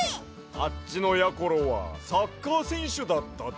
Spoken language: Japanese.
あっちのやころはサッカーせんしゅだったで。